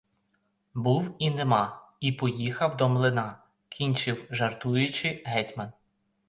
Був і нема, і поїхав до млина, — кінчив, жартуючи, гетьман.